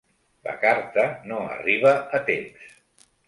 La carta no arriba a temps.